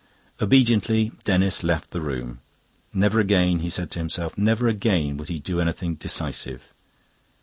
Obediently Denis left the room. Never again, he said to himself, never again would he do anything decisive.